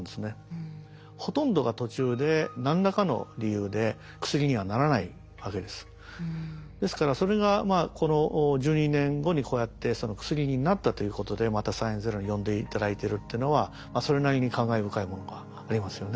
統計的にはですからそれがこの１２年後にこうやって薬になったということでまた「サイエンスＺＥＲＯ」に呼んで頂いてるっていうのはそれなりに感慨深いものがありますよね。